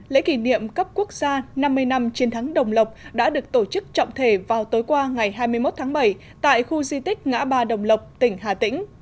lễ kỷ niệm cấp quốc gia năm mươi năm chiến thắng đồng lộc đã được tổ chức trọng thể vào tối qua ngày hai mươi một tháng bảy tại khu di tích ngã ba đồng lộc tỉnh hà tĩnh